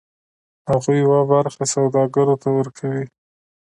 هغوی یوه برخه سوداګر ته ورکوي